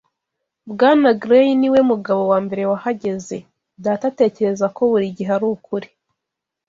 Bwana Gray niwe mugabo wambere wahageze. Data atekereza ko buri gihe ari ukuri.